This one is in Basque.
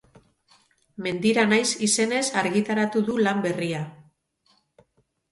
Mendira naiz izenez argitaratu du lan berria.